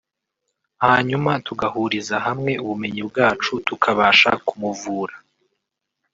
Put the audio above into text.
hanyuma tugahuriza hamwe ubumenyi bwacu tukabasha kumuvura